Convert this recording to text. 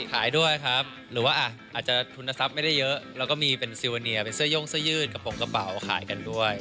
ขายด้วยครับหรือว่าอาจจะทุนทรัพย์ไม่ได้เยอะแล้วก็มีเป็นซิวาเนียเป็นเสื้อย่งเสื้อยืดกระโปรงกระเป๋าขายกันด้วย